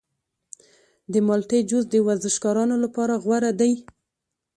د مالټې جوس د ورزشکارانو لپاره غوره دی.